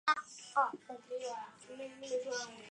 本路线曾因班次少而饱受乘客诟病。